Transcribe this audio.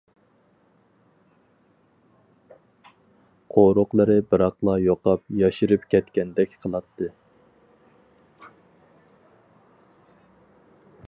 قورۇقلىرى بىراقلا يوقاپ ياشىرىپ كەتكەندەك قىلاتتى.